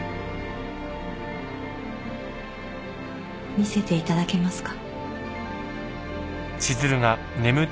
見せていただけますか？